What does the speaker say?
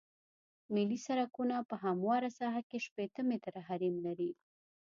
ملي سرکونه په همواره ساحه کې شپیته متره حریم لري